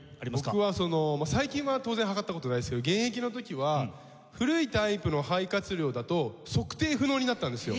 僕は最近は当然測った事ないですけど現役の時は古いタイプの肺活量だと測定不能になったんですよ。